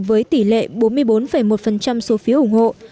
với tỷ lệ bốn mươi bốn một số phiếu ủng hộ